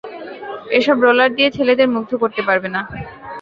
এসব রোলার দিয়ে ছেলেদের মুগ্ধ করতে পারবে না।